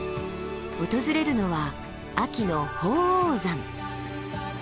訪れるのは秋の鳳凰山。